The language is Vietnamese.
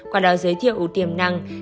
qua đó giới thiệu ủ tiềm năng